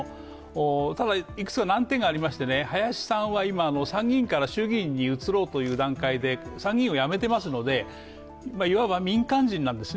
ただ、いくつか難点がありまして、林さんは今参議院から衆議院に移ろうというところで参議院を辞めていますのでいわば民間人なんですね。